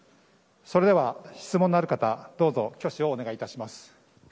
それでは、質問のある方どうぞ挙手をお願い致します。